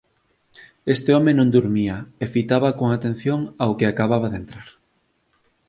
Este home non durmía e fitaba con atención ao que acababa de entrar.